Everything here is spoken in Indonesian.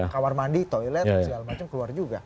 kamar mandi toilet segala macam keluar juga